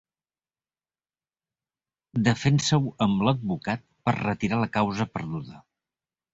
Defensa-ho amb l'advocat per retirar la causa perduda.